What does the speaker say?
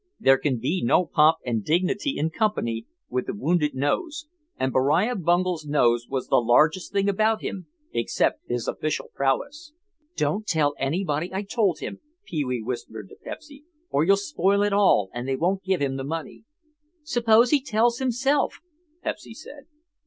There can be no pomp and dignity in company with a wounded nose and Beriah Bungel's nose was the largest thing about him except his official prowess. "Don't tell anybody I told him," Pee wee whispered to Pepsy, "or you'll spoil it all and they won't give him the money." "Suppose he tells himself," Pepsy said.